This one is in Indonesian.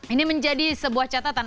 ini menjadi sebuah catatan